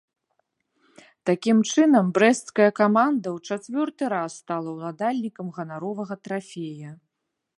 Такім чынам, брэсцкая каманда ў чацвёрты раз стала ўладальнікам ганаровага трафея.